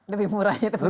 lebih murah itu penting